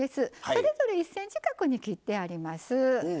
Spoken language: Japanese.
それぞれ１ｃｍ角に切ってあります。